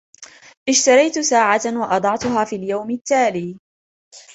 إشتريتُ ساعةً وأضعتها في اليومِ التالي.